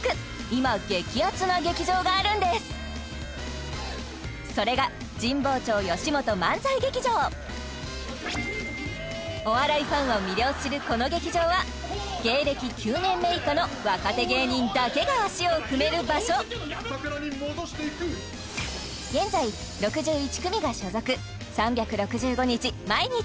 今激アツな劇場があるんですそれがお笑いファンを魅了するこの劇場は芸歴９年目以下の若手芸人だけが足を踏める場所３６５日